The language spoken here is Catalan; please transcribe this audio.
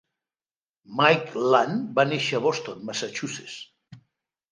Mike Ladd va néixer a Boston, Massachusetts.